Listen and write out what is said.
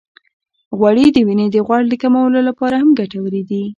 غوړې د وینې د غوړ د کمولو لپاره هم ګټورې دي.